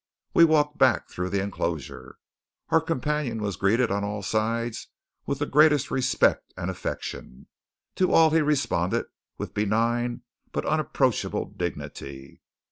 We walked back through the enclosure. Our companion was greeted on all sides with the greatest respect and affection. To all he responded with benign but unapproachable dignity.